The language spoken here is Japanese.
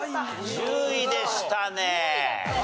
１０位でしたね。